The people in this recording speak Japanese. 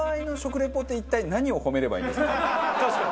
確かに。